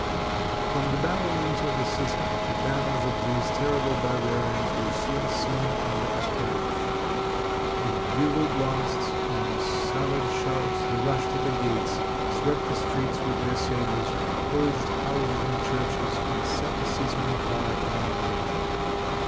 From the battlements of the city, the banners of these terrible barbarians were soon seen on the approach. With bugle blasts and savage shouts they rushed in at the gates, swept the streets with their sabers, pillaged houses and churches, and set the city on fire in all directions.